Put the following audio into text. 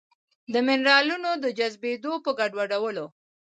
د مېنرالونو د جذبېدو په ګډوډولو